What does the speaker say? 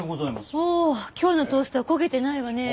おお今日のトーストは焦げてないわね。